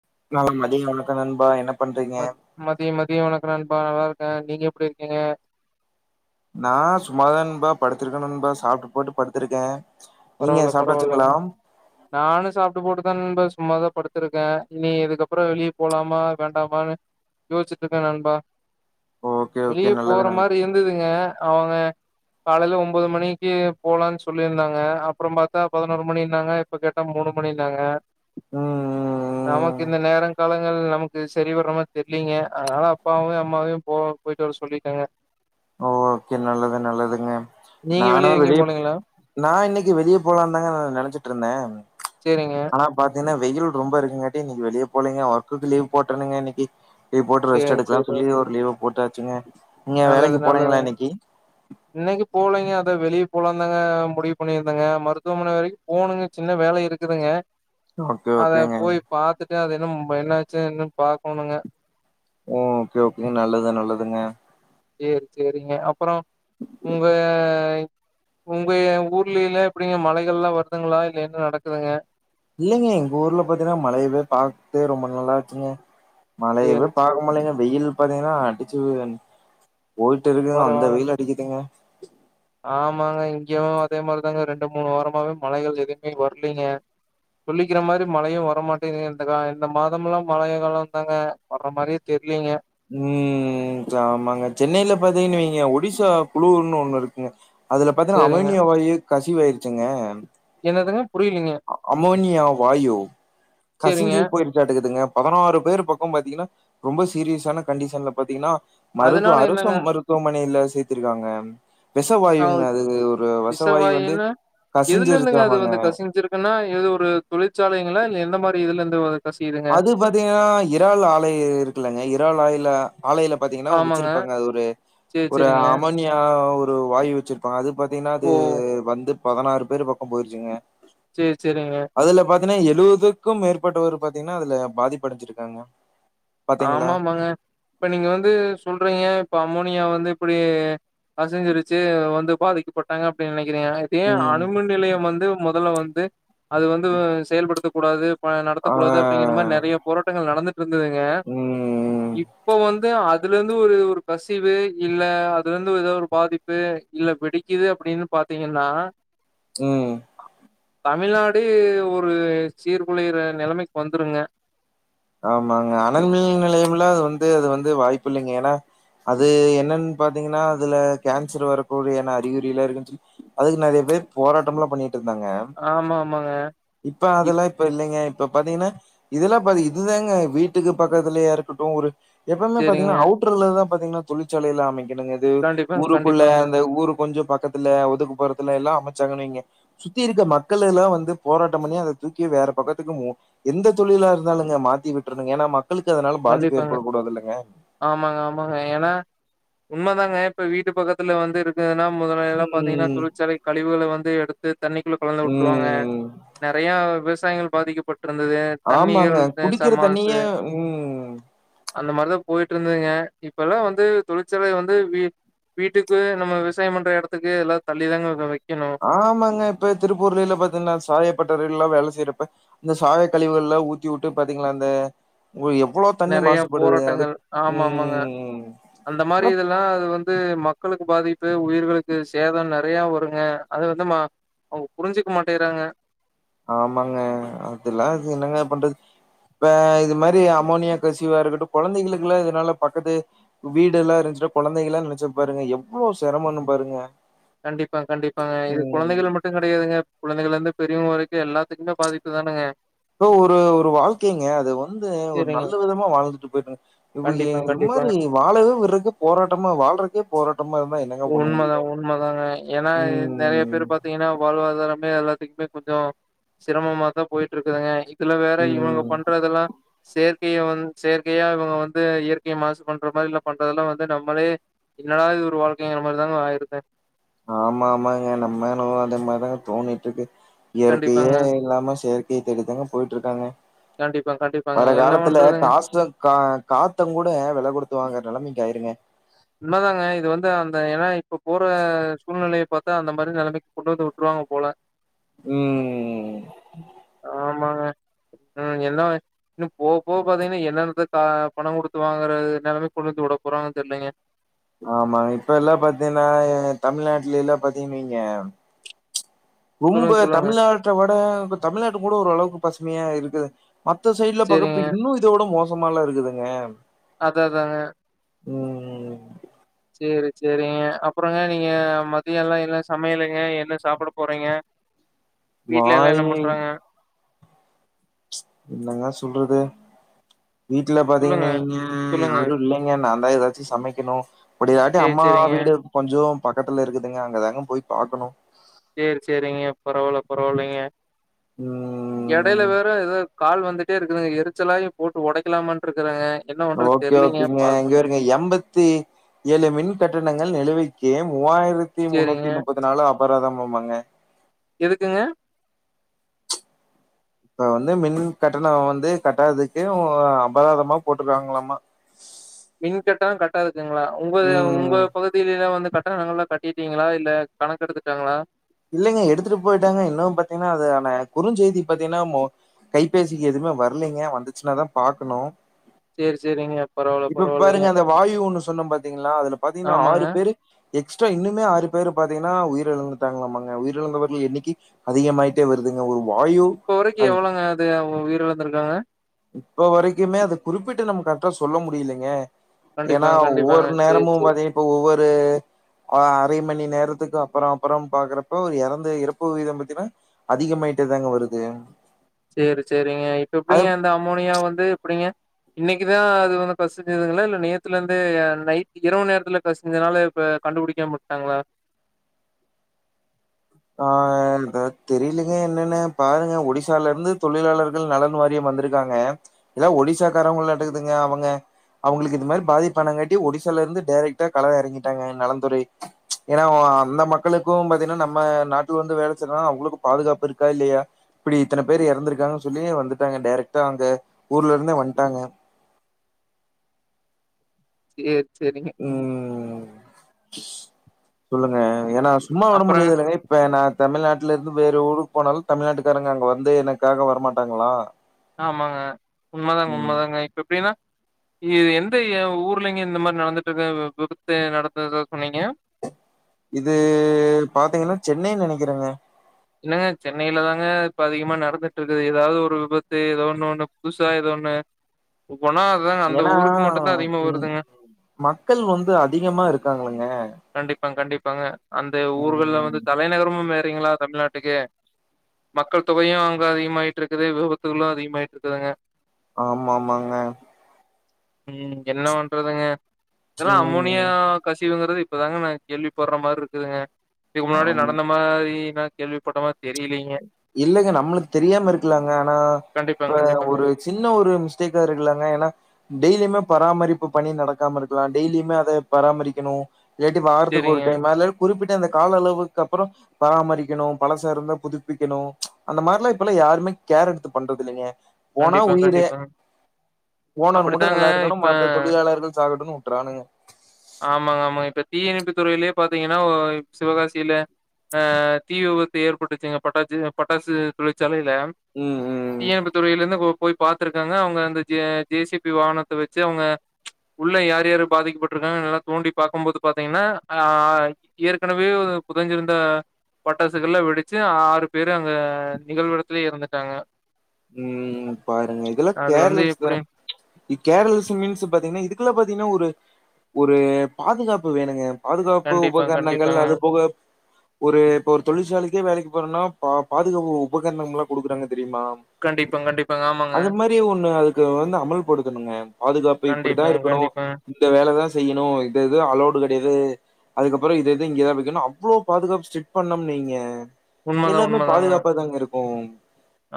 [unintelligible] ம மதி மதிய ஒணக்குனா நா நல்லா இருக்கே நீங்க எப்படி இருக்கீங்க நா சும்மாதான்பா படுத்திருக்க நான்பா சாப்பிட்டு போட்டு படுத்திருக்கே நீங்க பரவாயில பரவாயில சாப்ட்டாச்சுங்களா நானு சாப்பிட்டு போட்டுதான்ன்பா சும்மாதா படுத்திருக்கே இனி இதுக்கப்புற வெளிய போலாமா வேண்டாமான்னு யோசிச்சிட்டு இருக்கே நண்பா ஓகே ஓகே வெளிய நல்லது போற நண் மாரி இருந்ததுங்க அவங்க காலையில ஒன்பது மணிக்கு போலான் சொல்லியிருந்தாங்க அப்புறோ பாத்தா பதினொரு மணின்னாங்க இப்ப கேட்டா மூனு மணின்னாங்க ம் ம் நமக்கு ம் இந்த நேர காலங்கள் நமக்கு சரி வரமார் தெர்லிங்க அதனால அப்பாவியு அம்மாவியு போ போயிட்டு வர சொல்லிட்டங்க ஓக்கே நல்லது நல்லதுங்க நீங்க நானு எங்கேயு வெளிய போலீங்களா நா இன்னிக் க்கி வெளிய போலானுதாங்கா நா நெனச்சிட்டு இருந்தே சேரிங்க ஆனா பாத்தீங்ன்னா வெயில் ரொம்ப இருகுங்கட்டி இன்னிக்கு வெளிய போலீங்க ஒர்க்கு லீவ் போடனுங்க இன்னிக்கு லிவு போடு ரெஸ்ட் சேரி எடுக்கலா சேரி சொல்லி ஒரு லீவ் போட்டா ச்சிங்க நல்லது நல்லதுங்க இன்னிக்கு போலைங்க த்து வெளிய போலாந்தாங்க முடிவு பணியிருந்தங்க மருத்துவமனை வரைகு போணுங்க சின்ன வேலை இருகுதுங்க ஓகே அத ஓகேங்க போய் பாத்துட்டு அத க்கு இப்ப என்னாச்சி இன்னு பாக்கணுங்க ஓ ஓகே ஓகேங் நல்லது நல்லதுங்க சேர் சேரிங்க அப் ப்புறோ உங்க உங்க ஊர்ல்லிலா எப்பிடிங்க மழைகலா வருதுகளா இல்ல என்ன நடகுதுங்க இல்லைங்க எங்க ஊர்ல பாத்தீங்கனா மழையவே பாத்தே ரொம்ப நலாசிங்க மழையவே சேரி சேரி பாக்க முலிங்க வெயில் பாத்தீங்கனா அடிச்சி போயிடு இருகுங்க அந்த வெயில் அடிகுதுங்க ஆமாக இங்கயு அதே மாரிதாங்க ரெண்டு மூனு வாரமாவே மழைகள் எதுவுமே வரலிங்க சொல்லிகிற மாரி மழையு வரமாடேங்குது இந்த கா இந்த மாதம்லா மழ கால தாங்க வர்ற மாரியே தெரிலிங்க ம் சாமாங்க சென்னயில பாத்தீங்கனு வைங்க நீங்க ஒடிசா குலுனு ஒன்னு இருக்குங்க அதுல பாத்தீங்கனா சேரிங்க அமேனியா வாயு கசிவாயிரிசிங்க த்ததுங்க அமோனியா வாயு சேரிங்க கசிஞ்சி போயிருகாடகுதுங்க பதினாறு பேர் பகம் பாத்தீங்கனா ரொம்ப சீரியசான கண்டிஷன்ல பாத்தீங்கனா மருதுவ அதனால அரச என்னங்க மருதுவமனையில சேத்திருகாங்க ஆ விசவாயுங்க அது ஒரு விசவாயு வந்து விஷவாயுன்னா கசிஞ்சிருகாமாங்க னா எது ஒரு தொழிற்சாலைகளா எந்த மாரி இதுல இருந்து வரு அது பாதீங்கனா இறால் ஆலை இருகுலங்க இறால் ஆயில ஆலயில பாதீங்கனா ஆமாங்க. வச்சிருபாங்க அது சேரி, ஒருஒரு சேரிங்க. அமோனியா ஒரு ப்ரோ வாய் வச்ரு இப அது பாதீங்கனா அது ஓ! வந்து பதினாறு பேர் பக்கோ போயிருசுங்க செர் செரிங்க துன எழுபதுகு மேற்பட்ட ஒரு பாதீங்கனா அதுல பாதிபு அடஞ்சிருகாங்க ஆமாமாங்க இப நீங்க வந்து சொல்றீங்க இப்ப அமோனியா வந்து இப்படி கசஞ்சிருச்சு வந்து பாதிக்கபட்டாங்க அபடின் கிறேங்க இப்ப ஏ ம். அனுமின் நிலையம் வந்து முதல்ல வந்து அது வந்து உ செயல்படுத்த கூடாது ப ஆ. நடத்தக்கூடாது அப்படிங்க மாரி நறைய போராட்டங்கள் நடந்து இருந்ததுங்க ம். இப்ப வந்து அத் அதுல இருந்து ஒரு ஒரு கசிவு இல்ல அதுல இருந்து ஒரு ஏதா ஒரு பாதிப்பு இல்ல வெடிக்குது அப்படின்னு பாத்தீங்கன்னா உ தமிழ்நாடு ஒரு சீர்குழையற நெலைமைக்கு வந்துருங்க ஆமாங்க அனல் மின் நிலையம்ல அது வந்து அது வந்து வாய்ப்பு இல்லைங்க ஏன்னா அது என்னன்னு பாத்தீங்கன்னா அதுல கேன்சர் வரக்கூடிய அறிகுறிலா இருக்குன்னு சொல்லி அதுக்கு நிறைய பேர் போராட்டம்லா பண்ணிட்டு இருந்தாங்க ஆமா, ஆமாங்க. இப்ப இப் அதெல்லா இப்ப இல்லைங்க ப்ப பாத்தீங்கன்னா இதுெல்லா பா இது இதுதாங்க வீட்டுக்கு பக்கத்துலயா இருக்கட்டு ஒரு எப்பவுமே சரிங்க. பாத்தீங்கன்னா அவுட்ர்ல தா பாத்தங்கன்னா தொழிற்சலைையிலா அமயு க்கனுங்க இது கண்டிப்பாங்க, ஊருக்குள்ள கண்டிப்பாங்க, அந்த ஊருக் கொஞ்சோ பக்கத்துல ஒதுக்குபுறத்துல எல்லா அமைச்சாங்கனு வைங்க சுத்தி இருக்குற மக்கள் எல்லா வந்து போராட்டம் பண்ணி அத தூக்கி வேற பக்கத்துக்கு மூவ் எந்த தொழிலா இருந்தாலு மாத்தி விட்ருனுங்க ஏன்னா மக் மக்களுக்கு அதனால பாதிப்பு கண்டிப்பாங்க. ஏற்படக் கூடாது இல்லங்க உண்ம தாங்க இப்ப வீட்டு பக்கத்துல வந்து இருக்குதுன்னா முதல எல்லா பாத்தீங்கன்னா ம் தொழிற்சாலை கழிவுகல வந்து எடுத் தண்ணிக்குள்ள கலந்து உட்டுருவாங்க ம் நறையா விவ சாயங்கள் பாதிக்கப்பட் ஆமாங்க குடிக்கிற ச தண்ணியே ம் ம் அந்த மாரிதா போயிட்டு இருந்தங்க இப்பல்லாம் வந்து தொழிற்சாலை வந்து வீ வீட்டுக்கு நம்ம விவசாயம் பண்ற எடத்துக்கு எல்லா தள்ளி தாங்க வைக் ஆமாங்க இப்ப திருப்பூர்லில பாத்தீங்கன்னா சாயப்பட்ட ரேட் ல்லா வேல செய்யறப்ப இந்த சாய கழிவுகள்லா ஊத்தி உட்டு பாத்தீங்களா அந்த உங்களுக்கு எவ்ளோ தண்ணி நறையா மாசுபடுது. அது போராட்டங்கள் ஆமா ஆமாங்க ம். அந்த மாரி அப் இதெல்லா அது வந்து மக் மக்களுக்கு பாதிப்பு உயிர்களுக்கு சேதம் நறையா வருங்க அது வந்து மா அவுங்க புரிஞ்சிக்க மாட்டேகிறாங்க ஆமாங்க அதுல்லா அது என்னங்க பண்றது இப்ப இது மாரி அமோனியா கசிவா இருக்கட்டும் கொழந்தைங்களுக்குலா இதனால பக்கத்து வீடு எல்லாம் இருந்துச்சினா கொழந்தைங்கள நெனைச்சி பாருங்க எவ்ளோ செரமன்னு பாருங்க கண்டிப்பா கண்டிப்பாங்க இது ம். குழந்தைகள் மட்டும் கிடையாதுங்க குழந்தைகள இருந்து பெ ரியவங்க வரைக்கும் எல்லாத்துக்குமே பாதிப்பு தானுங்க ப்ரோ ஒரு ஒரு வாழ்க்கைங்க அது வந்து ஒரு சரிங்க. நல்ல விதமா வாழ்ந்துட்டு போயிருனுங்க இவு எ கண்டிப்பா ஒரு கண்டிப்பாங்க. மாரி வாழவே விடறக்கு போராட்டமா வாழறக்கே போர உண்மதா உண்மதாங்க ஏனா நறையா ம் பேர் பாத்தீங்கன்னா வாழ்வாதாரமே எல்லா டிக்மே கொஞ்சோ சிரமமா தா போயிட்டு இருக்குதுங்க இதுல வேற இவனுங்க ம் பண்றதெல்லா செயற் கிய வந் செயற்கையா இவங்க வந்து இயற்கைய மாசு பண்ற மாதிரில்ல பண்றதெல்லா வந்து நம்மளே என்னடா இது ஒரு வாழ் கையங்கிற மாரிதாங்க வாயரதே ஆமா ஆமாங்க நம்மளு அத மாரிதாங்க தோணிட்டு இருக்கு கண்டிப்பாங்க, இயற்கையே இல்லாம செயற் கைய தேடிதாங்க போயிட்டு இருக்காங்க கண்டிப்பா, கண்டிப்பாங்க. வர என்ன காலத்துல பண்றதுங்க? காஸ்ரா கா காத்த கூட வெல குடுத்து வாங்கற நெலமைக் யா இருங்க உண்மதாங்க இது வந்து அந்த ஏனா இப்ப போற சூழ்நெலய பாத்த அந்த மாரி நெலமைக் கொண்டு வந்து உட்ருவாங்க போல ம் ஆமாங்க ம் என்ன இன்னு போவ போவ பாத்தீங்கன்னா என்னென்னத்த கா பணம் குடுத்து வாங்கறது நெலமைக்கு கொண்டு வந்து உட போறாங்கன்னு தெர்லங்க ஆமாங்க இப்பல்லா பாத்தீனா எ தமிழ்நாட்லிலா பாத்தீன் வைங்க ரொம்ப சொல்லுங்க சொல்லுங்க. தமிழ்நாட்ட வட தமிழ்நாட்டு கூட ஒரு அளவ்க்கு பசு மியா இருக்குது மத்த சைட்ல சேரிங்க. பாக்குறப்ப இன்னு இத விட மோ சமால்லா இருக்குதுங்க அதா அதாங்க ம் சேரி சேரிங்க அப்றோங்க நீங்க மதியோலா என்ன சமையலுங்க என்ன சாப்புட போறீங்க? வீட்ல எல்லா என்ன வாயி பண்றாங்க? என்னங்க சொல்றது வீட்ல பாத்தீங்கன் சொல்லுங்க வைங்க சொல்லுங்க. யாரு இல்லங்க நா ந்தா எதாச்சு சமக்கெனு அப்பிடில்லாட்டி சேரி அம்மா சேரிங்க. வீடு கொஞ்சோ பக்கத்துல இருக்குதுங்க அங்க தாங்க போய் பாக்கனு சேர் சேரிங்க பரவால்ல பரவால்லைங்க எடைல ம் வேற எதோ கால் வந்துட்டே இருக்குதுங்க எரிச்சலாயி போட்டு ஒடைக்கலாமான்ருக்குறெங்க ஓகே ஓகேங்க இங்காருங்க எம்பத்தி ஏழு மின் கட்டணங்கள் நிலுவை க்கி மூவாய ரத்தி சேரிங்க. முன்னூத்தி முப்பது நாலு அபராதமும் மாங்க எதுக்குங்க இப்ப வந்து மின் கட்டண வந்து கட்டாததுக்கு ஒ அபராதமா போட்ருக்காங்களாமா மின் கட்டணொ கட்டாது க்குங்ளா உங்கது உங்க ம் பகுதிலேலா வந்து கட் டணங்கள்லா கட்டிட்டீங்களா இல்ல கணக்கெடுத்துட்டாங்களா? இல்லெங்க எடுத்துட்டு போயிட்டாங்க இன்னு பாத்திங்னா அது ஆன குறுஞ்செய்தி பாத்திங்னா மொ கைபேசிக்கு எதுமே வர்லிங்க வந்துச்சுன்னாதா பாக்கனு சேரி சேரிங்க பரவால்ல இப்ப பரவால்லைங்க பாருங்க அந்த வாயு ஒன்னு சொன்ன பாத்திங்ளா அதுல பாத்திங்னா ஆமாங்க ஆறு பேரு எக்ஸ்ட்ரா இன்னுமே ஆறு பேரு பாத்திங்னா உயிரிழந்து ட்டாங்ளாமாங்க உயிரிழந்தவர்கள் எண்ணிக்கை அதிகமாயிட்டே வருதுங்க ஒரு வாயு இப்ப வரைக்கு அது எவ்ளோங்க அது அவுங்க உயிர் இழந்துர்காங்க இப்ப வரைக்குமே அது குறிப்பிட்டு நம்ம கர்ட்டா சொல்ல முடிலெங்க ஏனா கண்டிப்பாங்க கண்டிப்பாங்க ஒவ்வொரு சேரி நேரமு சேரி பாத்திங் இப்ப ஒவ்வொரு ப்பு அ அரைமணி நேரத்துக்கு அப்புறோ அப்புறோ இறந்த இறப்பு விகிதம் பாத்திங்கன்னா அதிகமாயிட்டேதாங்க வருது செரி செரிங்கா இப்ப அது எப்டிங்க அந்த அமோனிய வந்து எப்டிங்க இன்னிக்குதா அது ஃபஸ்ட் டேவுங்களா அது நேத்துலருந்தே அத் இரவு நேரத்துல கசிஞ்சதுனால இப்ப கண்டுபிடிக்காமா உட்டாங்காளா அ ஆத் தெரிலங்க என்னனு பாருங்க ஓடிசாலருந்து தொழிலாழர்கள் நலன் வாரியம் வந்துருக்கங்கா இல ஒடிசாகர்லட்டுதுங்கா அவங்காளுக்கு இது மாறி பாதி பணக்காட்டி ஒடிசாலாருந்து டெரக்ட்டா கள எரங்கிட்டாங்கா நலந்துறை ஏனா அந்த மக்களுக்கு நம்ப நாட்டுக்கு வந்து வேல செய்னுனா அவங்களுக்கு பாதுக்காப்பு இருக்கா இல்லையா இப்படி இத்தன பேரு எறந்துருக்காங்கன் சொல்லி வந்துட்டாங்க டெரக்ட்டாஅங்க ஊர்லந்தே வன்ட்டாங்க இஏ சேரிங்க சொல்லுங்க என்னா சும்மா உட அப்புறங்க முடியாதுல்லங்க இப்ப நா தமிழ் நாட்டுலருந்து வேற ஊருக்கு போனாலு தமிழ் நாட்டுக்காரங்க அங்க வந்து எனக்காகா வரமாட்டாங்காளா ஆமாங்க உன்மதாங்கா உன்மதாங்கா இப்ப எப்டினா இது எந்த ஊர்லங்க இந்த மாரி நடந்துற்றுக்கு விபத்து நடந்தத சொன்னீங்க இது பாத்திங்கன்னா சொன்னைனு நெனைக்குறங்க என்னங்க சென்னையில தாங்க இப்ப அதிகமா நடந்துட்டு இருக்குது ஏதாவது ஒரு விபத்து ஏதோ ஒண்ணு ஒண்ணு புதுசா ஏத ஒண்ணு ஒவ்வொன்னா அதாங்க அந்த ஏனா ஊருக்கு மட்டும் தான் அதிகமா வருதுங்க. மக்கள் வந்து அதிகமா இருக்காங்களங்க பாங்கா அந்த ஊர்கல்ல உம் வந்து தலைநகரமு வேர் க்றிங்களா தமிழ்நாட் டுக்கு மக்கள் தொகயு அங்க அதிகமாய்ட்ருக்குது விபத்துகளு அதிக மாயிற்றுதுங்க ஆமா மாங்கா இம் என்ன பண்றதுங்க எல்லா அமோனீயா ம். கசி திவங்கறது இப்பதாங்கா நா கேள்வி பட்ற மாரி இருக்குதுங்கா இதுக்கு முன்னாடி ஆம். நடந்த மா றி கேள்விப்பட்டமாரி தெரியலைங்க இல்லங்க நம்மளுக்கு தெரியாம இருக்கலாங்க ஆனா கண்டிப்பாங்க, இப்ப கண்டிப்பாங்க. ஒரு சின்ன ஒரு மிஸ்டேக்கா இருக்கலாங்க ஏன்னா டெய்லியுமே பராமரிப்பு பணி நடக்காம இருக்கலா டெய்லியுமே அத பராமரிக்கணு இல்லாட்டி வாரத்துக்கு சரிங்க. ஒருடைமா இல்லா குறிப்பிட் அந்த கால அளவுக்கு அப்புறோ பராமரிக்கணு பழசா இருந்தா புதுபிக் பிக்கணு அந்த மாரிலா இப்பல்லா யாருமே கேர் எடுத்து பண்றது இல்லங்க போனா கண்டிப்பா, உயிரே கண்டிப்பாங்க. ஓனர் மட்டு அப்படித்தாங்க நல்லா இருக்கணு இப்ப மற்ற தொழிலாளர்கள் சாகடுணும்னு ரானுங்க ஆமாங்க ஆமாங்க இப்ப தீயனைப்பு துறையிலயே பார்த்தீங்கன்னா சிவகாசியில தீ விபத்து ஏற்பட்டுச்சுங்க பட்டாசு பட்டாசு தொழிற்சாலை இல்ல ம், ம். தீயணப்புத்துறையில இருந்து கோ போய் பாத்துருக்காங்க அவுங்க அந்த ஜே சி பி வாகனத்த வச்சு அவுங்க உள்ள யார் யாரு பாதிக்கப்பட்ட இருக்காங்க நல்லா தோண்டி பாக்கும்போது பாத்தீங்கனா அ ஏற்கனவே புதஞ்சிருந்த பட்டாசுகள்ல வெடிச்சு ஆறு பேரு அங்க நிகழ்விடத்துலயே இறந்துட்டாங்க உம் பாருங்க இதெல்லா அது வந்து கேர்ளெஸ் தா எப்படி கேர்ளஸ் மீன்ஸ் பாத்தீங்கனா இதுக்கு இதுல பாத்தீங்கனா ஒரு ஒரு பாதுகாப்பு வேணுங்க பாதுகாப்பு கண்டிப்பா, உபகரணங்கள் கண்டிப்பாங்க. அது போக ஒரு இப்போ ஒரு தொழிற்சாலைக்கே வேலைக்கு அப்புறனா பா பாதுகாப்பு உபகரணங்கள் எல்லா குடுக்குறாங்க தெரியுமா கண்டிப்பா, கண்டிப்பாங்க. ஆமாங்க. அது மாதிரி ஒன்னு அதுக்கு வந்து அமல்படுத்தணுங்க பாதுகாப்பு இப்டித்தா கண்டிப்பாங்க, இருக்கனு கண்டிப்பாங்க. இந்த வேலதா செய்யணு இது இது அலோடு கெடயாது அதுக்கப்புறோ இது இது இங்கத வக்கணு அவ்ளோ பாதுகாப்பு ஸ்டிக் பண்ணும் வைங்க உண்மதான், எல்லாமே உண்மதாங்க. பாதுகாப்பாதாங்க இருக்கு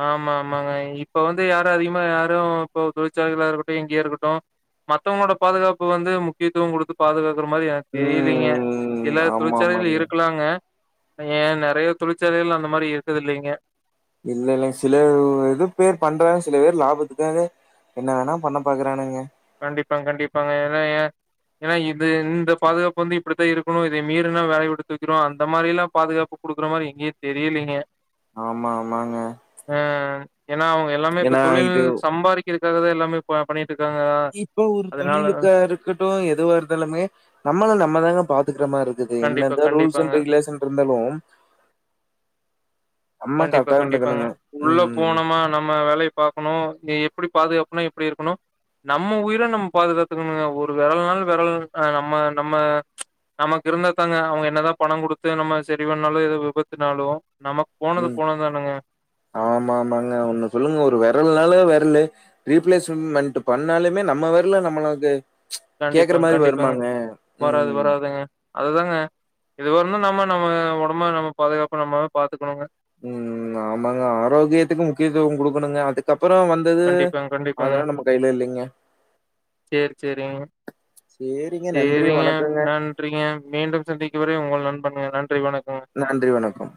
ஆமா ஆமாங்க இப்ப வந்து யாரு அதிகமா யாரு இப்போ தொழிற்சாலைகளா இருக்கட்டு எங்கேயா இருக்கட்டு மத்தவங்களோட பாதுகாப்பு வந்து முக்கியத்துவ குடுத்து பாதுகாப்பு இருக்குற மாதிரி எனக்கு தெரியலீங்க ம். எல்லா தொழிற்சாலைல ஆமாமாங்க. இருக்கலாங்க இல்லங்க நெறய தொழிற்சாலைகள் அந்த மாதிரி இருக்குது இல்லைங்க இல்ல இலல்ங்க சில இது பேர் பண்றாங்க சில பேர் லாபத்துக்க என்ன வேணா பண்ண பாக்குறானுங்க கண்டிப்பாங்க கண்டிப்பாங்க ஏன்னா ஏ ஏன்னா இது இந்த பாதுகாப்பு வந்து இப்டித்தா இருக்கனு இத மீறுனா வேலய விட்டு தூக்கிருவாங்க அந்த மாரி எல்லா பாதுகாப்பு குடுக்குற மாரி எங்கேயே தெரியலைங்க ஆமா ஆமாங்க ஏன்னா அவுங்க எல்லாமே இப்ப ஏன்னா தொழில் சம்பாதிக்கிறது க்காக எல்லாமே பண்ணிட்டு இருக்காங்க இப்ப ஒரு அதனால தொழிலுக்கா இருக்கட்டு எதுவாக இருந்தாலுமே நம்மள நம்ம தாங்க பா இருக்குற மாரி இருக்குது கண்டிப்பா, என்னதா ரூல்ஸ் கண்டிப்பாங்க. அன்ட் ரெகுலேஷன் இருந்தாலு நம்ம கண்டிப்பா கரெக்டா கண்டிப்பாங்க இருந்துக்கணுங்க உள்ள ம் போனோமா நம்ம வேலய பாக்கணு எப்டி பாதுகாப்புனா எப்டி இருக்கணு நம்ம உயிர நம்ம பாதுகாத்துக்கணுங்க ஒரு வெரல் நாளு வெரல் நம்ம நம்ம நமக்கு இருந்தா தாங்க அவுங்க என்னதா பண குடுத்து நம்ம சரிவண்ணாலு ஏத விபத்துனாலு நமக்கு போனது உம் போனது தானங்க. ஆமா ஆமாங்க ஒன்னு சொல்லுங்க ஒரு வெர வெரலுனால வெரலு ரீப்ளேஸ்மெண்ட் பண்ணாலுமே நம்ம வெரலு நம்மள வந்து கண்டிப்பாங்க கண்டிப்பாங்க வராது ம் வராதுங்க அதுதாங்க இது வரலு நம்ம நம்ம ஒடம்ப நம்ம பாதுகாப்பு நம்மாத பாத்துக்கணுங்க உம் உம் ஆமாங்க ஆரோக்கியத்துக்கு முக்கியத்துவ குடுக்கணுங்க அதுக்க கண்டிப்பாங்க கண்டிப்பாங்க கையில இல்லைங்க சேரி சேரிங்க சேரிங்க நன்றி சேரிங்க வணக்கங்க நன்றிங்க மீண்டும் சந்திக்க வரை உங்க நண் பண்ணுங்க நன்றி வணக்கம் நன்றி வணக்கம்